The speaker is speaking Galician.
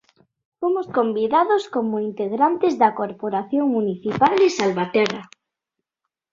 Fomos convidados como integrantes da corporación municipal de Salvaterra.